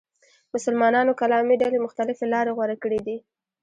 مسلمانانو کلامي ډلې مختلفې لارې غوره کړې دي.